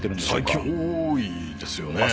最近多いですよね。